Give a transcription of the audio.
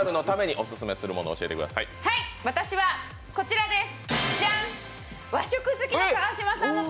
私はこちらです。